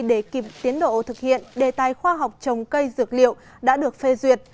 để kịp tiến độ thực hiện đề tài khoa học trồng cây dược liệu đã được phê duyệt